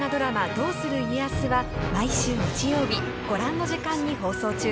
「どうする家康」は毎週日曜日ご覧の時間に放送中です。